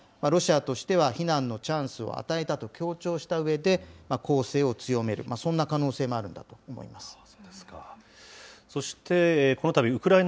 ロシアとしては避難のチャンスを与えたと強調したうえで、攻勢を強める、そんな可能性もあるんだと思います。